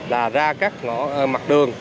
là ra các mặt đường